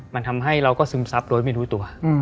มันทำให้เราก็ซึมซับโดยไม่รู้ตัว